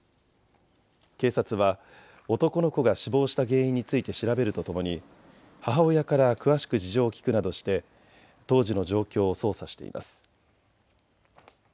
警察は男の子が死亡した原因について調べるとともに母親から詳しく事情を聞くなどして当時の状況を捜査しています。